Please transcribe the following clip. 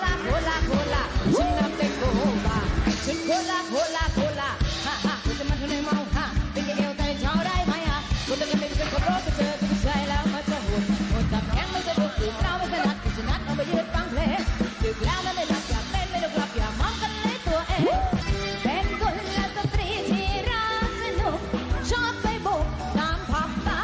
เดี๋ยวนะครับด้านในหน้า